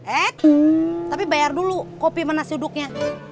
eh tapi bayar dulu kopi sama nasi uduknya